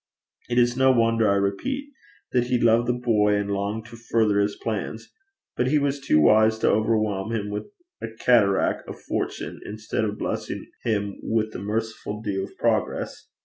It is no wonder, I repeat, that he loved the boy, and longed to further his plans. But he was too wise to overwhelm him with a cataract of fortune instead of blessing him with the merciful dew of progress.